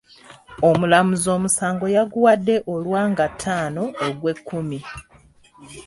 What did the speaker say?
Omulamuzi omusango yaguwadde olwa nga ttaano Ogwekkumi.